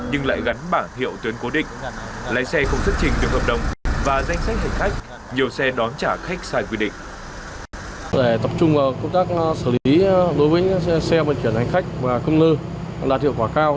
để tập trung vào công tác xử lý đối với xe vận chuyển hành khách và cơm lưu là thiệu quả cao